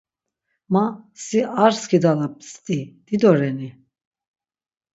Ma si ar skidala bzdi dido reni?